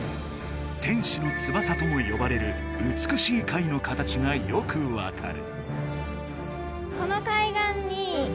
「天使の翼」ともよばれるうつくしい貝の形がよく分かる。